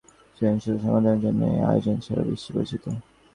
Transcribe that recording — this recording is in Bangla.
বিভিন্ন ধাপে নানা সমস্যার সৃজনশীল সমাধানের জন্য এ আয়োজন সারা বিশ্বে পরিচিত।